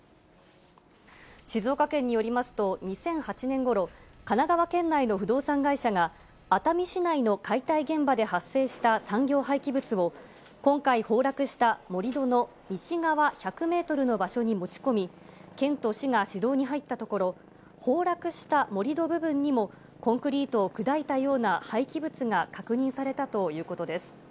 静岡県によりますと、２００８年ごろ、神奈川県内の不動産会社が、熱海市内の解体現場で発生した産業廃棄物を、今回崩落した盛り土の西側１００メートルの場所に持ち込み、県と市が指導に入ったところ、崩落した盛り土部分にも、コンクリートを砕いたような廃棄物が確認されたということです。